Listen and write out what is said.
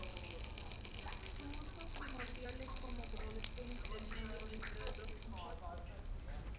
Su uso primordial es como producto intermedio entre otros compuestos.